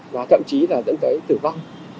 và thậm chí là dẫn tới tử vong